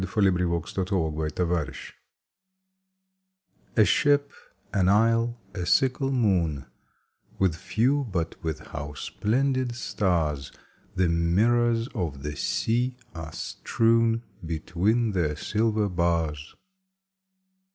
174 A Ship^ an Isle, a Sickle Moon A ship, an isle, a sickle moon — With few but with how splendid stars The mirrors of the sea are strewn Between their silver bars